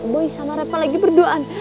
boy sama repta lagi berduaan